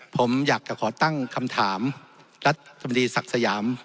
ผมอยากจะขอตั้งคำถามรัฐธรรมดีสักษยาม